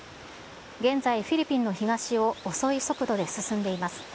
現在、フィリピンの東を遅い速度で進んでいます。